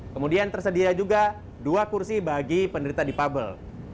kemudian tersedia juga dua kursi bagi penderita dipabel